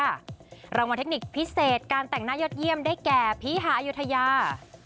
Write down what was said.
รางวัลเทคนิคพิเศษการแต่งหน้ายอดเยี่ยมได้แก่พี่หาอายุทยา